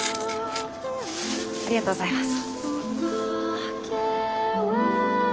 ありがとうございます。